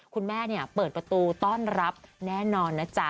คุณแม่เปิดประตูต้อนรับแน่นอนนะจ๊ะ